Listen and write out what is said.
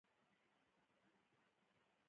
وروسته نوی سیاسي جوړښت رامنځته شو